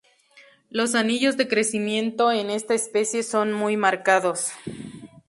Los anillos de crecimiento en esta especie son muy marcados.